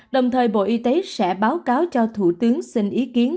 đồng thời bộ y tế sẽ báo cáo cho thủ tướng xin ý kiến